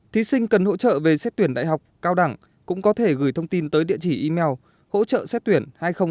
thí sinh cần hỗ trợ về xét tuyển đại học cao đẳng cũng có thể gửi thông tin tới địa chỉ email hỗ trợxéttuyển